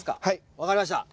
分かりました。